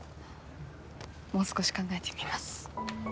もう少し考えてみます。